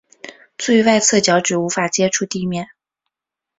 最外侧脚趾无法接触地面。